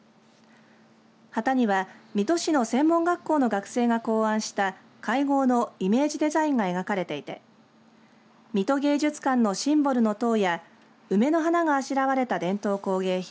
旗には水戸市の専門学校の学生が考案した会合のイメージデザインが描かれていて水戸芸術館のシンボルの塔や梅の花があしらわれた伝統工芸品